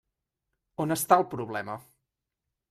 On està el problema?